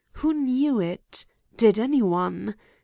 Who knew it? Did any one?